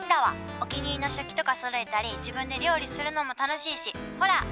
お気に入りの食器とかそろえたり料理するのも楽しいし。